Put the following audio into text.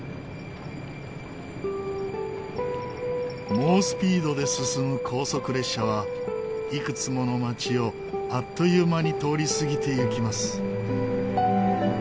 猛スピードで進む高速列車はいくつもの町をあっという間に通り過ぎていきます。